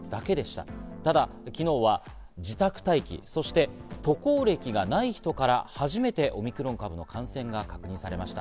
ただ昨日は自宅待機、そして渡航歴がない人から初めてオミクロン株の感染が確認されました。